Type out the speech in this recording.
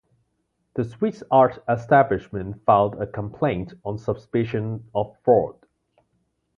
The Swiss art establishment filed a complaint on suspicion of fraud.